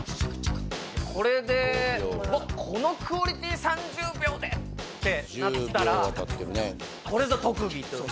これでこのクオリティー３０秒でってなったらこれぞ特技と。